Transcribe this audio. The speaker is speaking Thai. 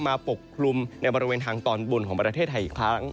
ปกคลุมในบริเวณทางตอนบนของประเทศไทยอีกครั้ง